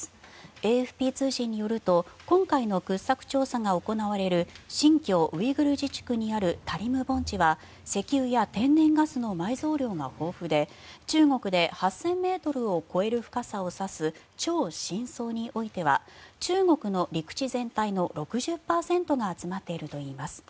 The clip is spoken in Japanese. ＡＦＰ通信によると今回の掘削調査が行われる新疆ウイグル自治区にあるタリム盆地は石油や天然ガスの埋蔵量が豊富で中国で８０００ｍを超える深さを指す超深層においては中国の陸地全体の６０％が集まっているといいます。